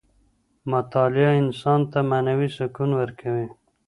مطالعه انسان ته معنوي سکون ورکوي.